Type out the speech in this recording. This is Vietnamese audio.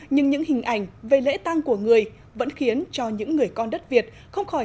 nhưng những hình ảnh về lễ tăng của người vẫn khiến cho những người con đất việt không khỏi